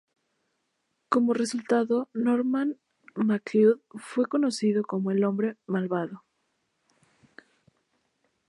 Como resultado, Norman MacLeod fue conocido como "El Hombre Malvado".